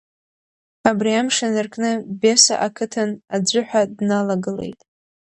Абри амш инаркны Беса ақыҭан аӡәы ҳәа дналагылеит.